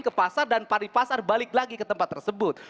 ke pasar dan paripasar balik lagi ke tempat tersebut